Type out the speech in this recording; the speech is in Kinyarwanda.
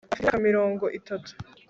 afite imyaka mirongo itatu